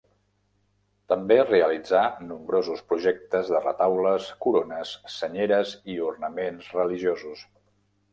També realitzà nombrosos projectes de retaules, corones, senyeres i ornaments religiosos.